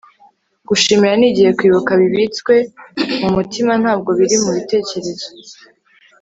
gushimira ni igihe kwibuka bibitswe mu mutima ntabwo biri mu bitekerezo